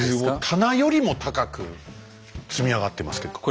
棚よりも高く積み上がってますけども。